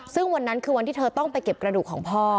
ซึ่งวันนั้นคือวันที่เธอต้องไปเก็บกระดูกของพ่อ